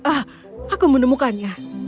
ah aku menemukannya